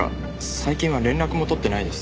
最近は連絡も取ってないです。